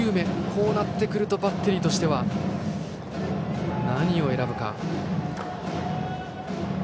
こうなってくるとバッテリーとしては何を選ぶか。